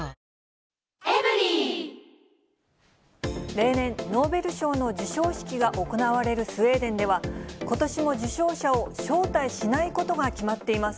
例年、ノーベル賞の授賞式が行われるスウェーデンでは、ことしも受賞者を招待しないことが決まっています。